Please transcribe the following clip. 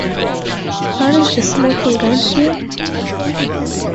What is the smoking gun here?